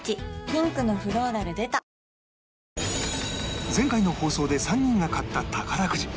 ピンクのフローラル出た前回の放送で３人が買った宝くじ